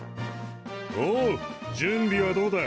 おう準備はどうだ？